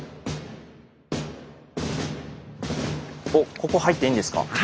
おっここ入っていいんですか？